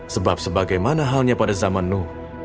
sebab sebagaimana halnya pada zaman no